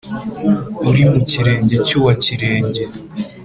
uri mu kirenge cy’uwa kirenga